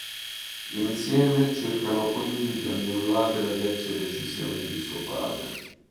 Insieme cercano quindi di annullare le vecchie decisioni di suo padre.